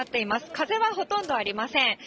風はほとんどありません。